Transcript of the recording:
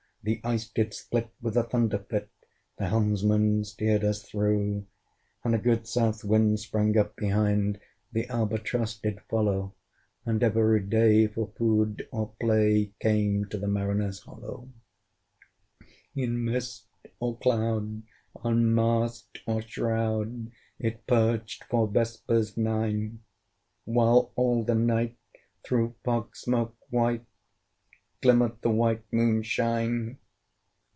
The ice did split with a thunder fit; The helmsman steered us through! And a good south wind sprung up behind; The Albatross did follow, And every day, for food or play, Came to the mariners' hollo! In mist or cloud, on mast or shroud, It perched for vespers nine; Whiles all the night, through fog smoke white, Glimmered the white Moon shine.